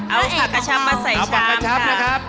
เอาผักกระชับมาใส่ชามค่ะ